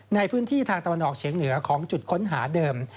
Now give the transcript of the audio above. ในพื้นที่ทางตะวันออกเฉียงเหนือของจุดค้นหาเดิม